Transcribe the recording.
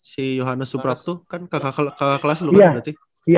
si yohannes supraptu kan kakak kelas lu kan berarti